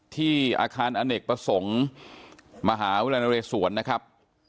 ที่อาคารอเนกประสงค์มหาวิทยาลัยนเรศวรนะครับ